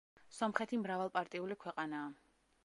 სომხეთი მრავალპარტიული ქვეყანაა.